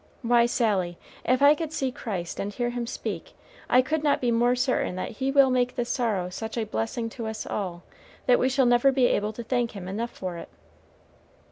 Why, Sally, if I could see Christ and hear him speak, I could not be more certain that he will make this sorrow such a blessing to us all that we shall never be able to thank him enough for it."